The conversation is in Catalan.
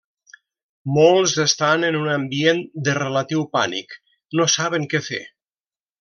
Molts estan en un ambient de relatiu pànic, no saben què fer.